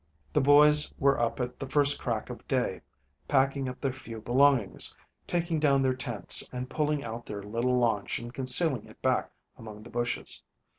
The boys were up at the first crack of day, packing up their few belongings, taking down their tents, and pulling out their little launch and concealing it back among the bushes.